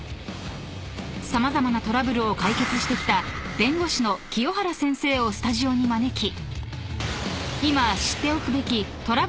［様々なトラブルを解決してきた弁護士の清原先生をスタジオに招き］